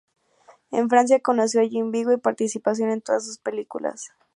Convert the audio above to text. En Francia conoció a Jean Vigo, y participó en todas sus películas.